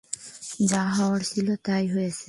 যা হওয়ার ছিল তাই হয়েছে।